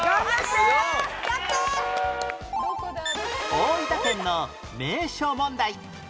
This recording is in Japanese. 大分県の名所問題